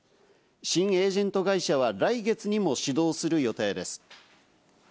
新エージェント会社は来月にも始動する予定です。